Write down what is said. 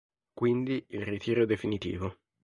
Quindi il ritiro definitivo.